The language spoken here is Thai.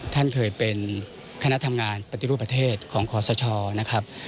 ท่านเคยเป็นคณะทำงานปฏิรูปประเทศของขอสชนะครับ